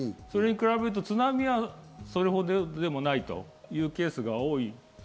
それに比べると津波はそれほどでもないというケースは多い。